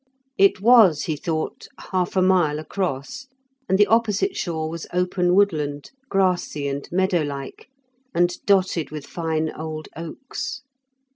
It was, he thought, half a mile across, and the opposite shore was open woodland, grassy and meadow like, and dotted with fine old oaks.